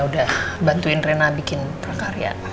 udah bantuin rina bikin perkarya